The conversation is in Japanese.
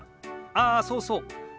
ああそうそう。